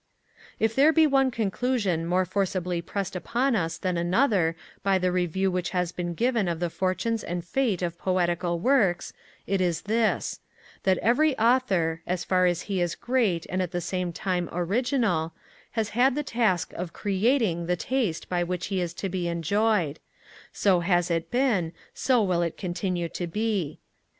If there be one conclusion more forcibly pressed upon us than another by the review which has been given of the fortunes and fate of poetical Works, it is this that every author, as far as he is great and at the same time original, has had the task of creating the taste by which he is to be enjoyed: so has it been, so will it continue to be.